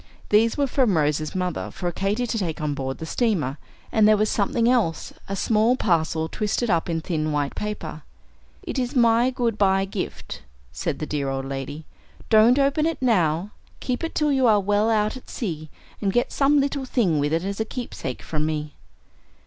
These were from Rose's mother, for Katy to take on board the steamer; and there was something else, a small parcel twisted up in thin white paper. "It is my good by gift," said the dear old lady. "Don't open it now. Keep it till you are well out at sea, and get some little thing with it as a keepsake from me."